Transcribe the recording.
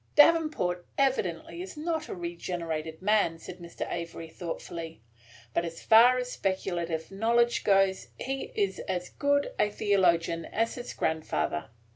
"Davenport evidently is not a regenerated man," said Mr. Avery, thoughtfully; "but as far as speculative knowledge goes, he is as good a theologian as his grandfather.